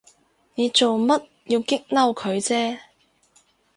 你做乜要激嬲佢啫？